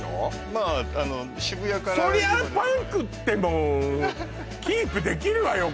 まあ渋谷からそりゃあパン食ってもキープできるわよ